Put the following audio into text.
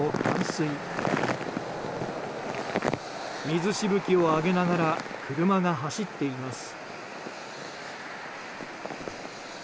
水しぶきをあげながら車が走っています。